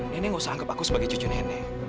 nenek gak usah anggap aku sebagai cucu nenek